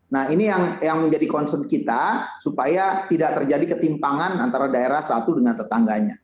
nah ini yang menjadi concern kita supaya tidak terjadi ketimpangan antara daerah satu dengan tetangganya